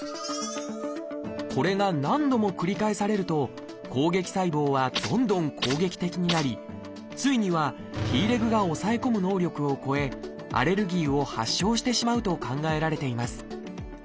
これが何度も繰り返されると攻撃細胞はどんどん攻撃的になりついにはＴレグが抑え込む能力を超えアレルギーを発症してしまうと考えられています。